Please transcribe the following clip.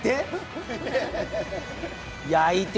焼いて？